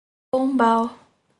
Pombal